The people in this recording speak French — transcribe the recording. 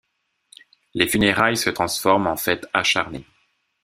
Les funérailles se transforment en fête acharnée.